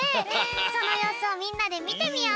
そのようすをみんなでみてみよう！